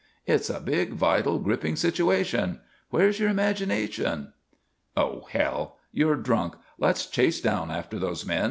It's a big, vital, gripping situation. Where's your imagination?" "Oh, hell. You're drunk. Let's chase down after those men.